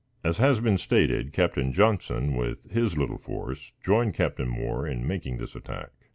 As has been stated, Captain Johnson, with his little force, joined Captain Moore in making this attack.